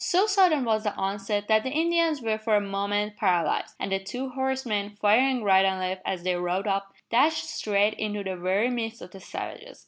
So sudden was the onset that the Indians were for a moment paralysed, and the two horsemen, firing right and left as they rode up, dashed straight into the very midst of the savages.